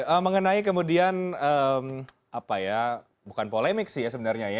oke mengenai kemudian apa ya bukan polemik sih ya sebenarnya ya